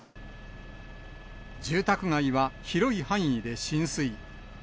住宅街は広い範囲で浸水。